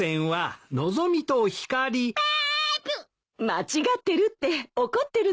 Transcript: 間違ってるって怒ってるのよ。